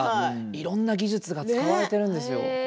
いろいろな技術が使われているんですよ。